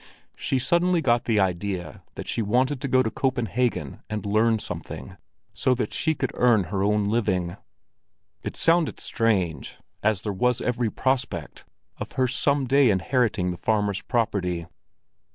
She suddenly got the idea that she wanted to go to Copenhagen and learn something, so that she could earn her own living. It sounded strange, as there was every prospect of her some day inheriting the farmer's property.